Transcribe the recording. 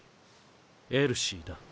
エルシーだ。